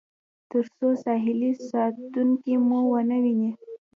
تر څو ساحلي ساتونکي مو ونه وویني.